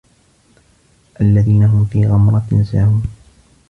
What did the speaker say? الَّذينَ هُم في غَمرَةٍ ساهونَ